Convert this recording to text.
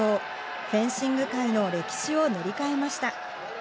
フェンシング界の歴史を塗り替えました。